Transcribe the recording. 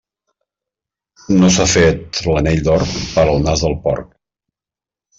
No s'ha fet l'anell d'or per al nas del porc.